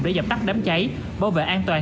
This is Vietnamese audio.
để dập tắt đám cháy bảo vệ an toàn